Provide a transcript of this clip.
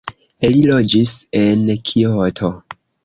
Li loĝis en Kioto.